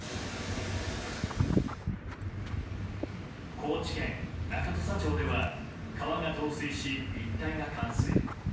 高知県中土佐町では川が増水し一帯が冠水。